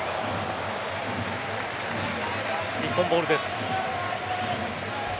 日本ボールです。